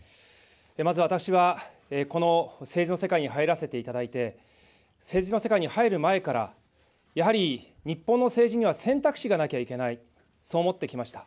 まず私は、この政治の世界に入らせていただいて、政治の世界に入る前から、やはり日本の政治には選択肢がなきゃいけない、そう思ってきました。